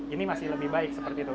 ini masih lebih baik seperti itu